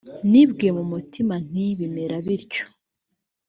nibwiye mu mutima nti bimera bityo